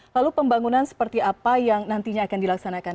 lalu pembangunan seperti apa yang nantinya akan dilaksanakan